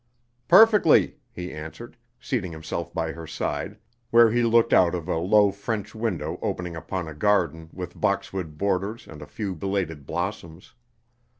"Perfectly!" he answered, seating himself by her side, where he looked out of a low French window opening upon a garden with boxwood borders and a few belated blossoms.